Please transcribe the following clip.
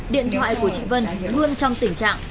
điện thoại của chị vân luôn trong tình trạng